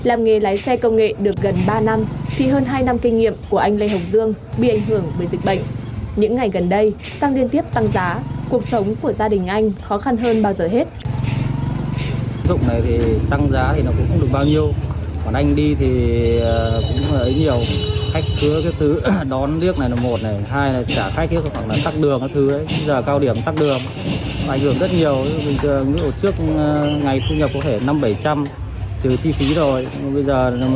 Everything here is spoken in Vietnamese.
ảnh hưởng rất nhiều trước ngày thu nhập có thể năm bảy trăm linh thì chi phí rồi bây giờ mới chỉ được khoảng tầm năm trăm linh những gì đấy